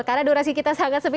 karena durasi kita sangat sempit